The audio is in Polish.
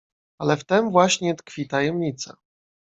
"Ale w tem właśnie tkwi tajemnica."